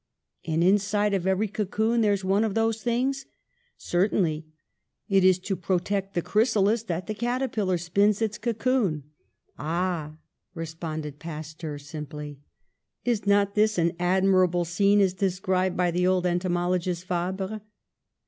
"And inside of every cocoon there is one of those things?" "Certainly, it is to protect the chrysalis that the caterpillar spins its cocoon." "Ah!" responded Pasteur simply. Is not this an admirable scene, as described by the old entomologist Fabre?